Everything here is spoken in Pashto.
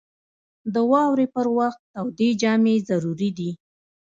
• د واورې پر وخت تودې جامې ضروري دي.